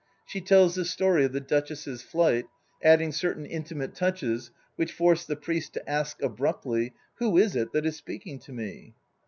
She tells the story of the Duchess's flight, adding certain intimate touches which force the priest to ask abruptly, "Who is it that is speaking to me?"